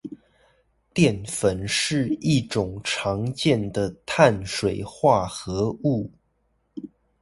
澱粉是一種常見的碳水化合物